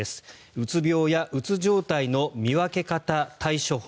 うつ病やうつ状態の見分け方対処法